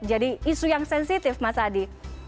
jadi isu yang sensitif mas adi